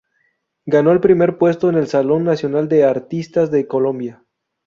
Ganó el primer puesto en el Salón Nacional de Artistas de Colombia.